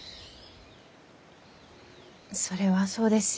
それはそうですよ。